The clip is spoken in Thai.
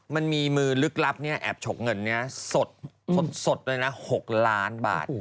มันมีมือลึกลับแอบฉกเงินสดเลยนะ๖ล้านบาท